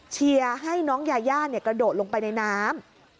เชียร์ให้น้องยาย่ากระโดดลงไปในน้ำ